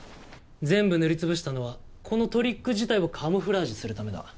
全部塗り潰したのはこのトリック自体をカムフラージュするためだ。